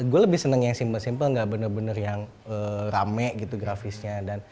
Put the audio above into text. gue lebih seneng yang simple simple gak bener bener yang rame gitu grafisnya